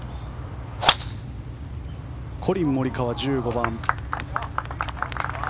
コリン・モリカワ１５番。